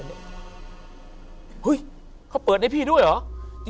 เห่ยเขาเปิดได้พี่ด้วยหรอ